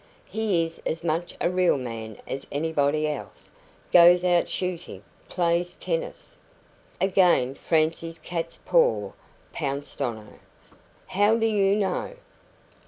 He is as much a real man as anybody else goes out shooting plays tennis " Again Francie's cat's paw pounced on her. "How do you know?"